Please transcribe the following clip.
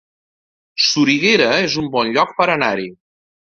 Soriguera es un bon lloc per anar-hi